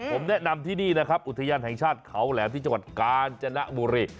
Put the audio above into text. ผมแนะนำที่นี่นะครับอุทยานแห่งชาติเขาแหลมที่จังหวัดกาญจนบุรี